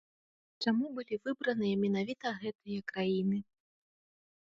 Чаму былі выбраныя менавіта гэтыя краіны?